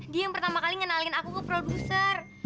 dia yang pertama kali ngenalin aku ke produser